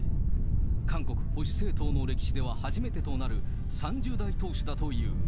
韓国保守政党の歴史では初めてとなる、３０代党首だという。